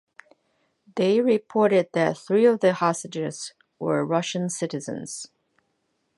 They reported that three of the hostages were Russian citizens.